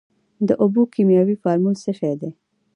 د اوبو کیمیاوي فارمول څه شی دی.